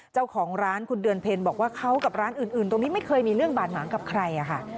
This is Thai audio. เจ้าของร้านคุณเดือนเพ็ญบอกว่าเขากับร้านอื่นตรงนี้ไม่เคยมีเรื่องบาดหมางกับใครค่ะ